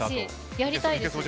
やりたいです。